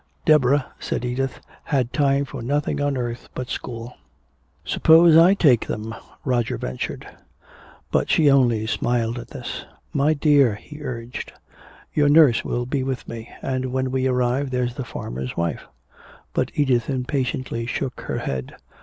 Deborah, said Edith, had time for nothing on earth but school. "Suppose I take them," Roger ventured. But she only smiled at this. "My dear," he urged, "your nurse will be with me, and when we arrive there's the farmer's wife." But Edith impatiently shook her head.